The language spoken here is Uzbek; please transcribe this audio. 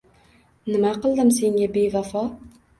Nima qildim senga, bevafo?